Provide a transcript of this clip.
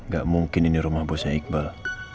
gak mungkin ini rumah bosnya iqbal